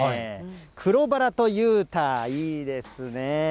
黒バラと裕太、いいですね。